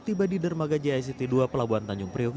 tiba di dermaga jict dua pelabuhan tanjung priok